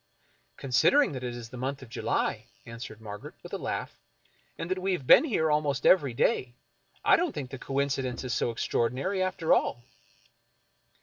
" Considering that it is the month of July," answered Mar garet with a laugh, " and that we have been here almost every dav, I don't think the coincidence is so extraordinary, after all."